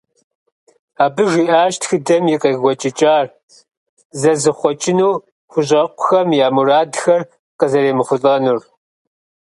Абы жиӀащ тхыдэм и къекӀуэкӀыкӀар зэзыхъуэкӀыну хущӀэкъухэм я мурадхэр къазэремыхъулӀэнур.